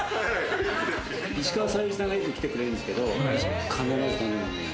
石川さゆりさんがよく来てくれるんですけれど、必ず頼むメニュー。